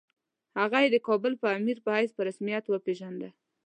هغه یې د کابل د امیر په حیث په رسمیت وپېژانده.